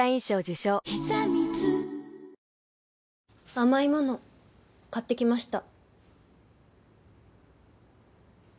甘いもの買ってきました。